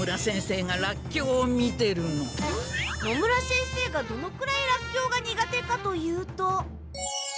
野村先生がどのくらいラッキョウが苦手かというと。